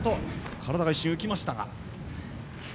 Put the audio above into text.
体が一瞬、浮きました。